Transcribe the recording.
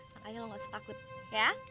makanya lo gak usah takut ya